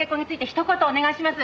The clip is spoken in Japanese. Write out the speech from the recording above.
「ひと言お願いします！」